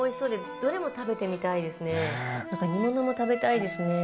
なんか煮物も食べたいですね。